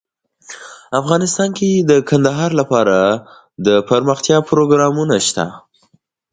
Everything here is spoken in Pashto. افغانستان کې د کندهار لپاره دپرمختیا پروګرامونه شته.